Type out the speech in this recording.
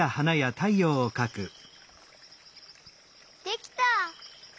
できた！